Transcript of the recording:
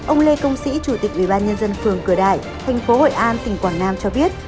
ông lê công sĩ chủ tịch ủy ban nhân dân phường cửa đại thành phố hội an tỉnh quảng nam cho biết